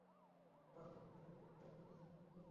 আহলি কিতাবদের মতে, তারা সংখ্যায় ছিল সত্তরজন।